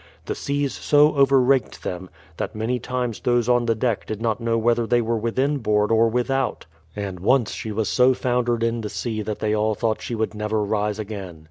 The seas so over raked them, that many times those on the deck did not know whether they were within board or without ; and once she was so foundered in the sea that they all thought she would never rise again.